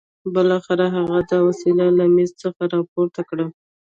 بالاخره هغه دا وسيله له مېز څخه راپورته کړه.